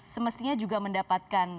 semestinya juga mendapatkan